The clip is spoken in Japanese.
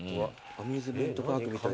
アミューズメントパークみたいな。